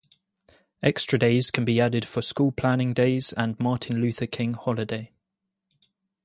Extra days can be added for school planning days and Martin Luther King holiday.